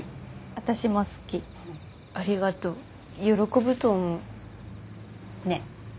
私も好きありがとう喜ぶと思うねえ